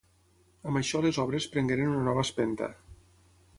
Amb això les obres prengueren una nova espenta.